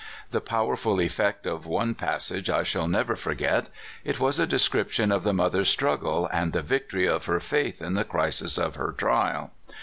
The powerful effect of one passage I shall never forget. It was a description of the mother's struggle, and the victory of her faith in the crisis of her trial.